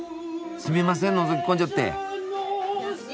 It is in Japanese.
すみませんのぞき込んじゃって。